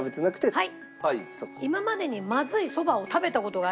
はい。